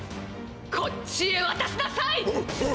「こっちへわたしなさい！」。